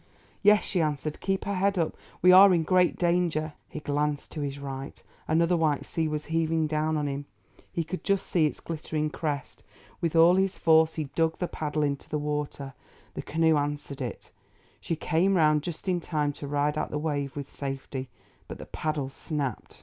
"Yes," she answered, "keep her head up. We are in great danger." He glanced to his right; another white sea was heaving down on him; he could just see its glittering crest. With all his force he dug the paddle into the water; the canoe answered to it; she came round just in time to ride out the wave with safety, but the paddle snapped.